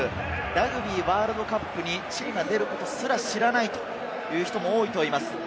ラグビーワールドカップにチリが出ることすら知らないという人も多いといいます。